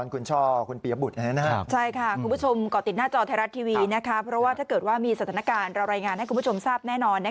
ขอบคุณครับ